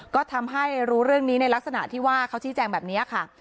ก็ทำให้รู้เรื่องนี้ในลักษณะที่ว่าเขาชี้แจงแบบนี้ค่ะ